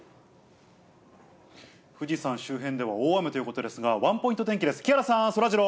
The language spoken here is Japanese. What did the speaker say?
富士山周辺では大雨ということですが、ワンポイント天気です。